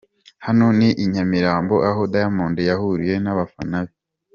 Hano ni i Nyamirambo aho Diamond yahuriye n'abafana be.